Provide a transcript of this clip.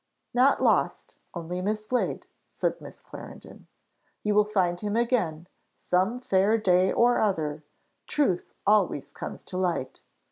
"Not lost, only mislaid," said Miss Clarendon. "You will find him again some fair day or other; truth always comes to light.